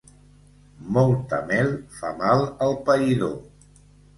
Molta mel fa mal al païdor.